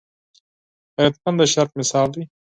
غیرتمند د شرف مثال دی